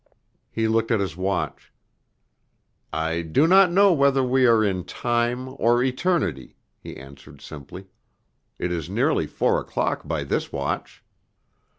He looked at his watch. "I do not know whether we are in time or eternity," he answered simply. "It is nearly four o'clock by this watch."